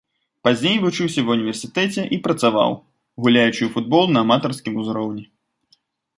Пазней вучыўся ва ўніверсітэце і працаваў, гуляючы ў футбол на аматарскім узроўні.